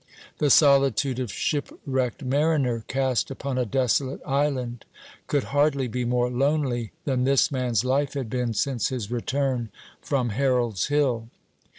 The solitude of shipwrecked mariner cast upon a desolate island could hardly be more lonely than this man's life had been since his return from Harold's Hill.